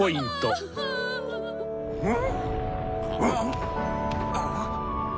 うん？